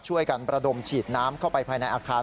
ช่วยกันประดมฉีดน้ำเข้าไปภายในอาคาร